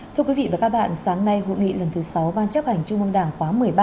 thưa quý vị và các bạn sáng nay hội nghị lần thứ sáu ban chấp hành trung mương đảng khóa một mươi ba